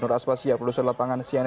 nur aspasya produser lapangan cnn